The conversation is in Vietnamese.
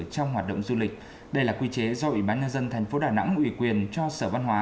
trong hoạt động du lịch đây là quy chế do ủy ban nhân dân thành phố đà nẵng ủy quyền cho sở văn hóa